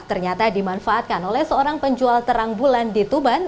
ternyata dimanfaatkan oleh seorang penjual terang bulan di tuban